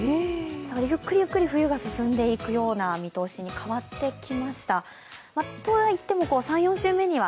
ゆっくりゆっくり冬が進んでいくような見通しに変ってきました、とはいっても、３４週目には